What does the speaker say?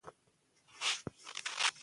د هغې ننګیالی توب تر بل څه ستر و.